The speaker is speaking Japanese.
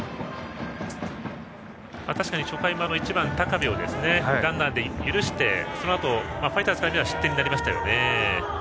確かに初回も１番の高部をランナーで許してそのあとファイターズは失点になりましたよね。